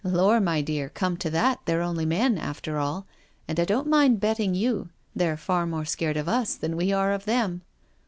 Lor', my dear, come to that they're only men, after all— and I don*t mind betting you they're far more scared of us than we are of them.